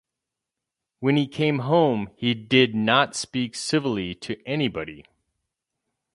When he came home he did not speak civilly to anybody.